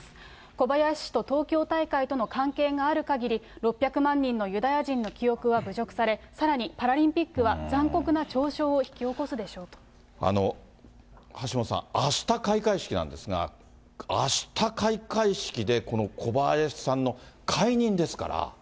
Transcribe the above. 小林氏と東京大会との関係があるかぎり、６００万人のユダヤ人の記憶は侮辱され、さらにパラリンピックは、橋下さん、あした開会式なんですが、あした開会式で、この小林さんの解任ですから。